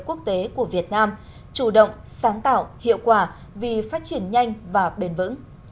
quốc tế của việt nam chủ động sáng tạo hiệu quả vì phát triển nhanh và bền vững